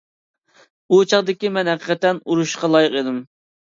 ئۇ چاغدىكى مەن ھەقىقەتەن ئۇرۇشقا لايىق ئىدىم.